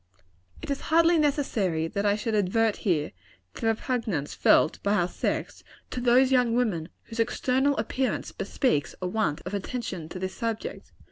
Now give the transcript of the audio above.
It is hardly necessary that I should advert, here, to the repugnance felt by our sex, to those young women whose external appearance bespeaks a want of attention to this subject.